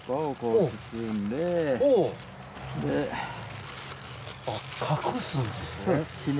隠すんですね。